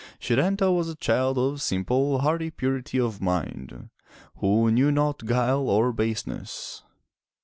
Se tan'ta was a child of simple, hardy purity of mind who knew not guile or baseness.